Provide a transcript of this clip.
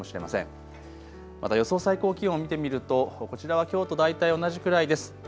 また予想最高気温を見てみるとこちらはきょうと大体同じくらいです。